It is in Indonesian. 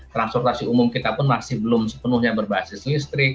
transportasi umum kita pun masih belum sepenuhnya berbasis listrik